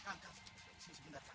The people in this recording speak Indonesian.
kang kang sini sebentar kang